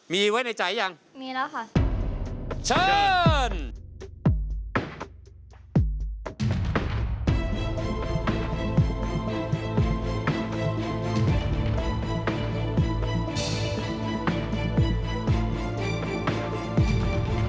มีไว้ในใจหรือยัง